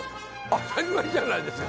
当たり前じゃないですか